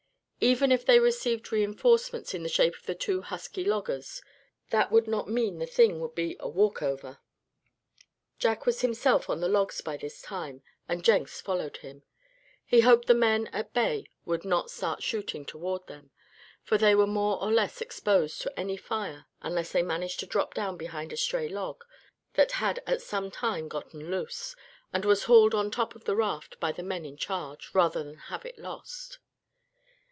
Even if they received reinforcements in the shape of the two husky loggers, that would not mean the thing would be a walk over. Jack was himself on the logs by this time, and Jenks followed him. He hoped the men at bay would not start shooting toward them, for they were more or less exposed to any fire unless they managed to drop down behind a stray log that had at some time gotten loose, and was hauled on top of the raft by the men in charge, rather than have it lost.